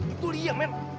itu lia men